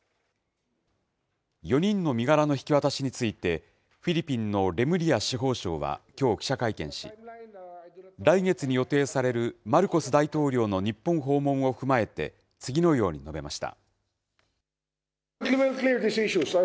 ４人の身柄の引き渡しについて、フィリピンのレムリア司法相はきょう、記者会見し、来月に予定されるマルコス大統領の日本訪問を踏まえて、次のように述べました。